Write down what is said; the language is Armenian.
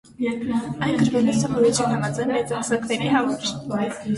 Այն գրվել է, սովորության համաձայն, մեծահասակների համար։